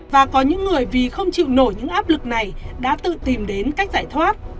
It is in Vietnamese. và có những người vì không chịu nổi những áp lực này đã tự tìm đến cách giải thoát